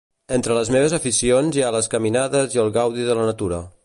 Entre les meves aficions hi ha les caminades i el gaudi de la natura.